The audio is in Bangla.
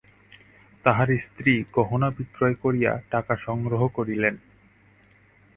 তাঁহার স্ত্রী গহনা বিক্রয় করিয়া টাকা সংগ্রহ করিলেন।